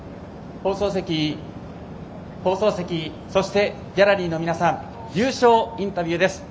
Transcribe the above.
放送席、放送席そしてギャラリーの皆さん優勝インタビューです。